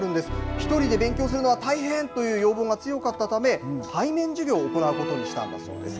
１人で勉強するのは大変という要望が強かったため対面授業を行うことにしたんだそうです。